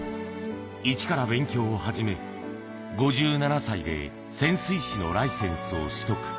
イチから勉強を始め、５７歳で潜水士のライセンスを取得。